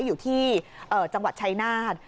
อยู่ที่จังหวัดชายนาฏ